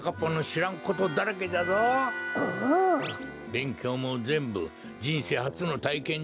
べんきょうもぜんぶじんせいはつのたいけんじゃ。